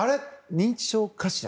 認知症かしら？